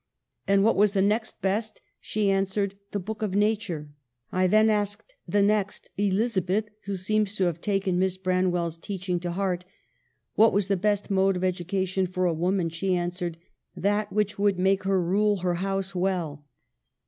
And what was the next best ; she answered, ' The book of Nature.' I then asked the next (Eliza beth, who seems to have taken Miss Branwcll's teaching to heart) what was the best mode of education for a woman ; she answered, ' That which would make her rule her house well.'